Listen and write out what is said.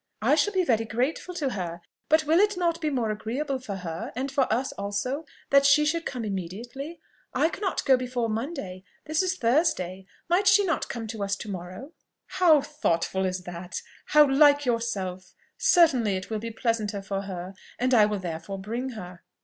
"I shall be very grateful to her. But will it not be more agreeable for her, and for us also, that she should come immediately? I cannot go before Monday this is Thursday; might she not come to us to morrow?" "How thoughtful is that! how like yourself! Certainly it will be pleasanter for her, and I will therefore bring her."